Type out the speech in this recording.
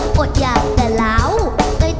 มันเติบเติบ